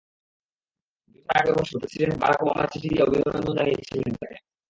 দুই বছর আগে অবশ্য প্রেসিডেন্ট বারাক ওবামা চিঠি দিয়ে অভিনন্দন জানিয়েছিলেন তাঁকে।